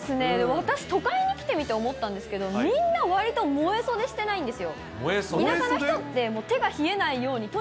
私、都会に来てみて思ったんですけど、みんなわりと萌え袖してないんですよ。